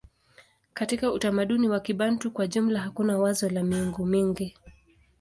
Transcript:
Katika utamaduni wa Kibantu kwa jumla hakuna wazo la miungu mingi.